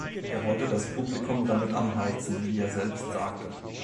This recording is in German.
Er wollte das Publikum damit anheizen, wie er selbst sagte.